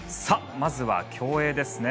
まずは競泳ですね。